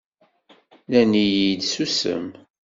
Nnan-iyi-d susem.